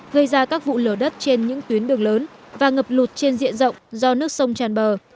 gây ra các vụ lở đất trên những tuyến đường lớn và ngập lụt trên diện rộng do nước sông tràn bờ